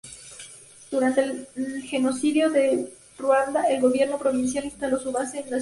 Durante el genocidio de Ruanda, el gobierno provisional instaló su base en la ciudad.